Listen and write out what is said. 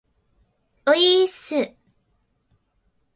おいーっす